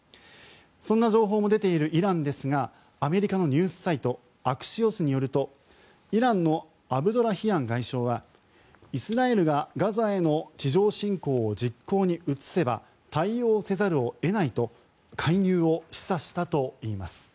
そんな情報も出ているイランですがアメリカのニュースサイトアクシオスによるとイランのアブドラヒアン外相はイスラエルがガザへの地上侵攻を実行に移せば対応せざるを得ないと介入を示唆したといいます。